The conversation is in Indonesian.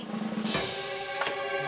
kau mau ngasih apa